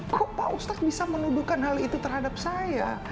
kok pak ustadz bisa menuduhkan hal itu terhadap saya